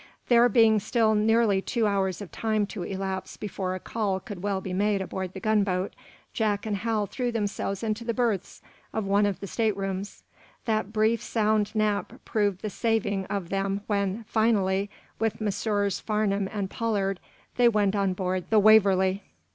There being still nearly two hours of time to elapse before a call could well be made aboard the gunboat, Jack and Hal threw themselves into the berths of one of the staterooms. That brief, sound nap proved the saving of them when, finally, with Messrs. Farnum and Pollard, they went on board the "Waverly."